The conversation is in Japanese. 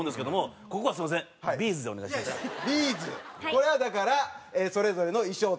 これはだからそれぞれの衣装っていう事で。